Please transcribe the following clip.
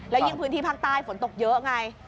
แล้วยิ่งพื้นที่ภาคใต้ฝนตกเยอะไง